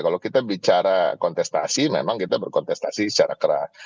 kalau kita bicara kontestasi memang kita berkontestasi secara keras